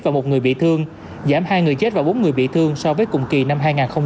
và một người bị thương giảm hai người chết và bốn người bị thương so với cùng kỳ năm hai nghìn một mươi chín